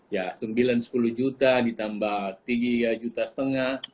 ya sembilan sepuluh juta ditambah tiga juta setengah